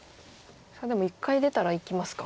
でも一回出たらいきますか。